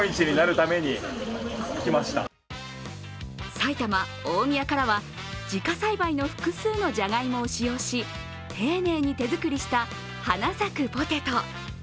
埼玉・大宮からは自家栽培の複数のじゃがいもを使用し丁寧に手作りした花咲くポテト。